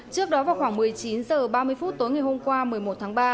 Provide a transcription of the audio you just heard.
trước đó vào khoảng một mươi chín h ba mươi phút tối ngày hôm qua một mươi một tháng ba